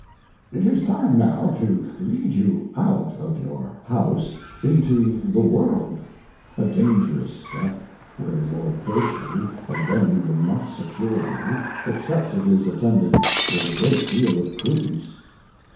IT is time now to lead you out of your House into the World. A Dangerous step ; where your Vertue alone will not secure.^ you, except it is attended with a great deal of Prudence.